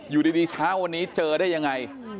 อยู่ดีเช้าวันนี้เจอได้ยังไง